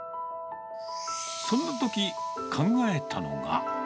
そんなとき、考えたのが。